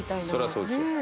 それはそうですよ。